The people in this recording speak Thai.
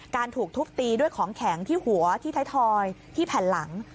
ถูกทุบตีด้วยของแข็งที่หัวที่ไทยทอยที่แผ่นหลัง